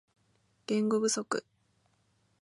言語不足